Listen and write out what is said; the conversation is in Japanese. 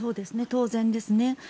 当然ですね。